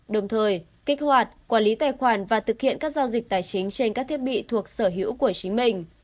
đồng thời kích hoạt quản lý tài khoản và thực hiện các giao dịch tài chính trên các thiết bị thuộc sở hữu của chính mình